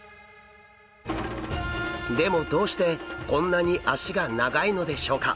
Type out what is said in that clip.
でもどうしてこんなに脚が長いのでしょうか？